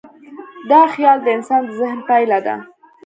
دا خیال د انسان د ذهن پایله ده.